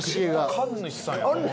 神主さんやもう。